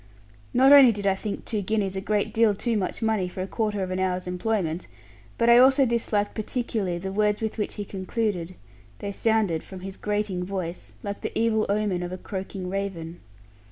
Not only did I think two guineas a great deal too much money for a quarter of an hour's employment, but also I disliked particularly the words with which he concluded; they sounded, from his grating voice, like the evil omen of a croaking raven.